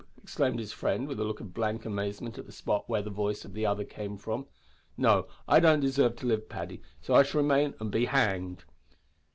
exclaimed his friend, with a look of blank amazement at the spot where the voice of the other came from. "No; I don't deserve to live, Paddy, so I shall remain and be hanged."